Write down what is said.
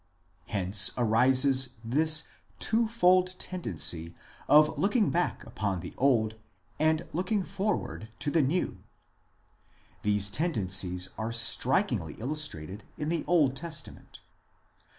Hence arises this two fold tendency of looking back upon the old and looking forward to the new. These tendencies are strikingly illustrated in the Old Testament.